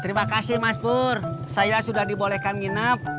terima kasih mas pur saya sudah dibolehkan nginep